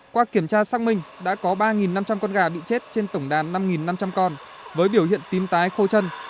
qua kiểm tra xác minh đã có ba năm trăm linh con gà bị chết trên tổng đàn năm năm trăm linh con với biểu hiện tim tái khô chân